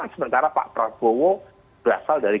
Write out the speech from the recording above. sementara pak prabowo berasal dari